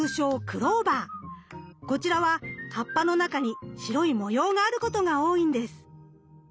こちらは葉っぱの中に白い模様があることが多いんです。